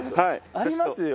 ありますよ。